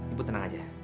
ibu tenang aja